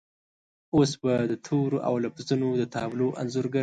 اوس به د تورو او لفظونو د تابلو انځورګر